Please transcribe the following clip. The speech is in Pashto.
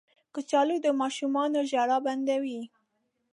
کچالو د ماشومانو ژړا بندوي